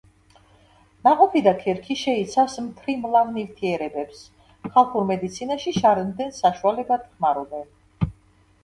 ნაყოფი და ქერქი შეიცავს მთრიმლავ ნივთიერებებს, ხალხურ მედიცინაში შარდმდენ საშუალებად ხმარობენ.